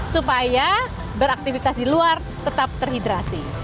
supaya beraktivitas di luar tetap terhidrasi